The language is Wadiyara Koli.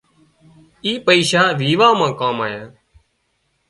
اي پئيشا ويوان مان ڪام آيا